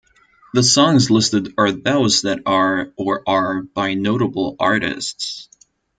The songs listed are those that are or are by notable artists.